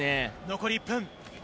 残り１分。